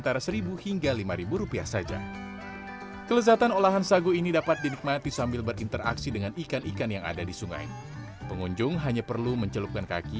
rasanya enak manis lembut